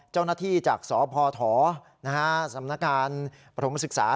เจ้าหน้าที่จากสพสำนักการประถมศึกษา